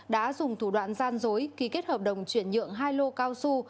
đã dùng thủ đoạn gian dối ký kết hợp đồng chuyển nhượng hai lô cao su